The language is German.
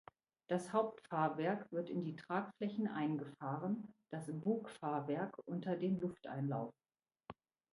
Das Hauptfahrwerk wird in die Tragflächen eingefahren, das Bugfahrwerk unter den Lufteinlauf.